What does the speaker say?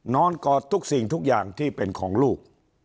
กอดทุกสิ่งทุกอย่างที่เป็นของลูก